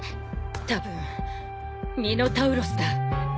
たぶんミノタウロスだ。